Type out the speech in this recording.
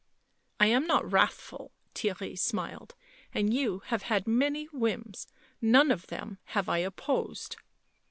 " I am not wrathful," Theirry smiled. " And you have had many whims ... none of them have I opposed."